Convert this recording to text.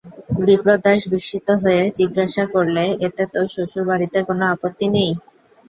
বিপ্রদাস বিস্মিত হয়ে জিজ্ঞাসা করলে, এতে তোর শ্বশুরবাড়িতে কোনো আপত্তি নেই?